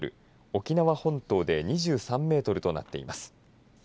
沖縄本島で２３メートルとなっています。